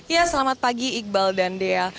ya selamat pagi iqbal dan dea